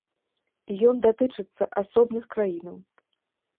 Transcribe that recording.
Ён датычыцца асобных краінаў.